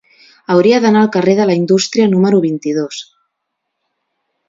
Hauria d'anar al carrer de la Indústria número vint-i-dos.